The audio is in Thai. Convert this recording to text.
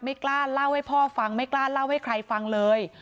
ไม่กล้าเล่าให้พ่อฟังไม่กล้าเล่าให้ใครฟังเลย